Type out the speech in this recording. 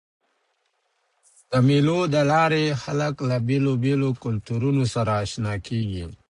د مېلو له لاري خلک له بېلابېلو کلتورونو سره اشنا کېږي.